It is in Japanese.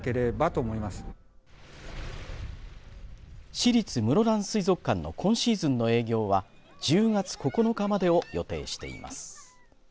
市立室蘭水族館の今シーズンの営業は１０月９日までを予定しています。